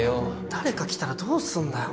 誰か来たらどうすんだよ。